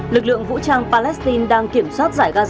lực lượng vũ trang palestine đang kiểm soát giải đoàn tấn công